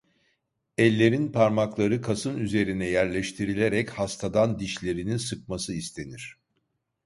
Ellerin parmakları kasın üzerine yerleştirilerek hastadan dişlerini sıkması istenir.